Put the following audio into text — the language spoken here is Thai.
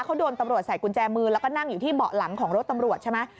เขาโดนตำรวจใส่กุญแจมือแล้วก็นั่งอยู่ที่เบาะหลังของรถตำรวจใช่ไหม